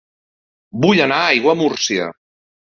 Vull anar a Aiguamúrcia